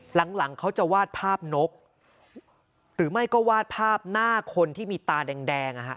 หลังหลังเขาจะวาดภาพนกหรือไม่ก็วาดภาพหน้าคนที่มีตาแดง